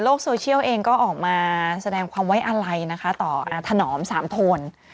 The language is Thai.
โซเชียลเองก็ออกมาแสดงความไว้อะไรนะคะต่อถนอมสามโทน